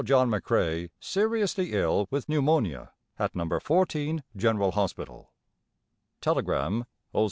John McCrae seriously ill with pneumonia at No. 14 General Hospital. Telegram: O.